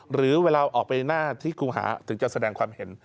หรือเวลาออกไปหน้าที่ครูหาถึงจะแสดงความเห็น